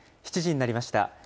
７時になりました。